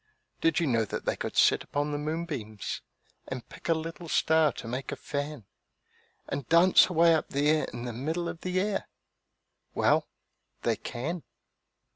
Did you know that they could sit upon the moonbeams And pick a little star to make a fan, And dance away up there in the middle of the air? Well, they can.